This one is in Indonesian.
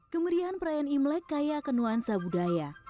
kemeriahan perayaan imlek kaya akan nuansa budaya